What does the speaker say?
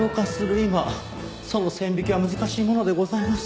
今その線引きは難しいものでございます。